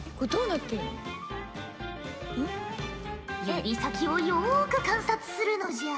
指先をよく観察するのじゃ。